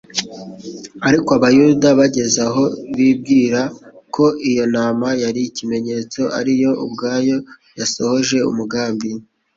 Ariko abayuda bageze aho bibwira ko iyo ntama yari ikimenyetso ari yo ubwayo yasohoje umugambi,